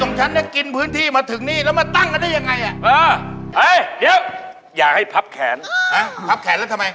แล้วเขตที่นี่มาตั้งร้านค้าร้านขายเนี่ย